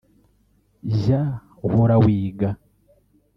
Jya uhora wiga